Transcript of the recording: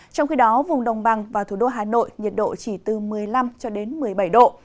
trong khi đó vùng đồng bằng và thủ đô hà nội nhiệt độ chỉ từ một mươi năm một mươi bảy độ